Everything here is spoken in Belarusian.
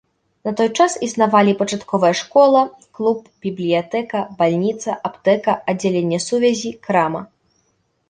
На той час існавалі пачатковая школа, клуб, бібліятэка, бальніца, аптэка, аддзяленне сувязі, крама.